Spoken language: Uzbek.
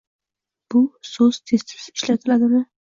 Bu so’z tez-tez ishlatiladimi?